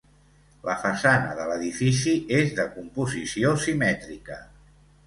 La façana de l'edifici és de composició simètrica.